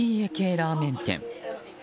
ラーメン店。